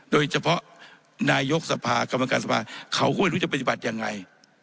โดยเฉพาะนายกสภากรรมการสภาเขาก็ไม่รู้จะปฏิบัติยังไง